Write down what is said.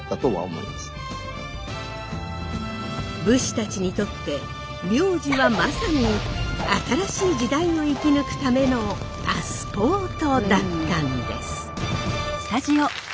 武士たちにとって名字はまさに新しい時代を生き抜くためのパスポートだったんです。